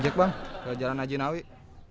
ojek bang udah jalan aja nawik